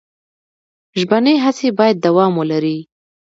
ژبنۍ هڅې باید دوام ولري.